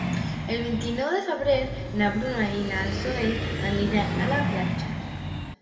El vint-i-nou de febrer na Bruna i na Zoè aniran a la platja.